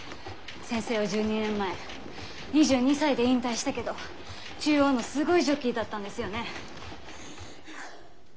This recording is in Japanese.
先生は１２年前２２歳で引退したけど中央のすごいジョッキーだったんですよね。